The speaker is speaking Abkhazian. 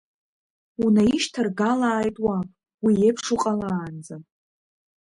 Унаишьҭаргалааит уаб, уи иеиԥш уҟалаанӡа.